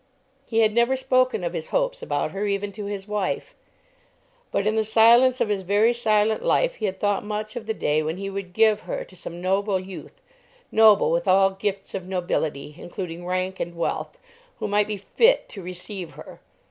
He had never spoken of his hopes about her even to his wife, but in the silence of his very silent life he had thought much of the day when he would give her to some noble youth, noble with all gifts of nobility, including rank and wealth, who might be fit to receive her.